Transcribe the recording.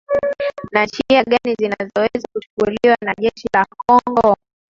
na njia gani zinazoweza kuchukuliwa na jeshi la kongo